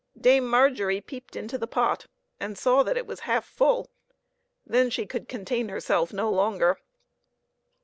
Dame Margery peeped into the pot, and saw that it was half full ; then she could contain herself no longer.